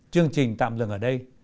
chương trình tạm dừng ở đây